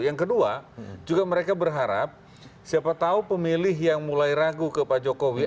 yang kedua juga mereka berharap siapa tahu pemilih yang mulai ragu ke pak jokowi